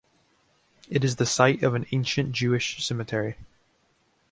It is the site of an ancient Jewish cemetery.